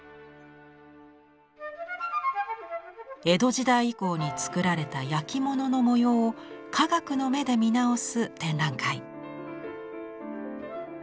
江戸時代以降に作られたやきものの模様を科学の目で見直す展覧会。